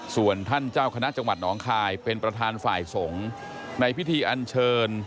ส่วนท่านเจ้าคณะจังหวัดหนองคายเป็นประธานฝ่ายสงฆ์ในพิธีอันเชิญ